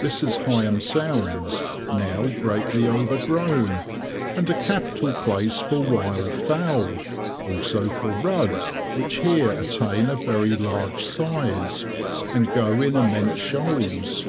This is Heigham Sounds, now greatly overgrown, and a capital place for wild fowl; also for rudd, which here attain a very large size, and go in immense shoals.